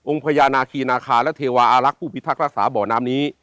พญานาคีนาคาและเทวาอารักษ์ผู้พิทักษ์รักษาบ่อน้ำนี้